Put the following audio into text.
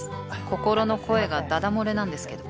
心の声がだだ漏れなんですけど